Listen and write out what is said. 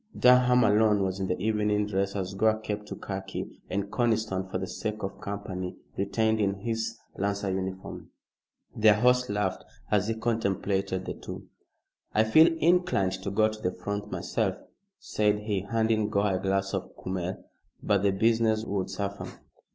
Durham alone was in evening dress, as Gore kept to khaki, and Conniston, for the sake of company, retained his lancer uniform. Their host laughed as he contemplated the two. "I feel inclined to go to the front myself," said he, handing Gore a glass of kümmel, "but the business would suffer."